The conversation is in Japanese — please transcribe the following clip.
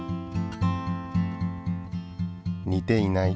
似ていない。